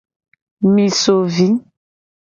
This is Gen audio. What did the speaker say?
Mi so vi.